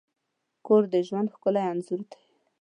کور د ژوند ښکلی انځور دی.